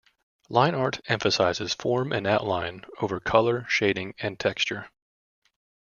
Line art emphasizes form and outline, over color, shading, and texture.